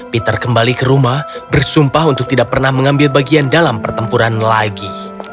peter kembali ke rumah bersumpah untuk tidak pernah mengambil bagian dalam pertempuran lagi